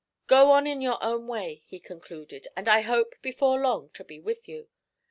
'Go on in your own way,' he concluded; 'and I hope before long to be with you.